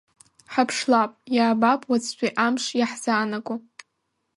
Ҳаԥшлап, иаабап уаҵәтәи амш иаҳзаанаго.